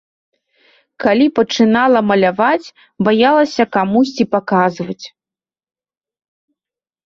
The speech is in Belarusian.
Калі пачынала маляваць, баялася камусьці паказваць.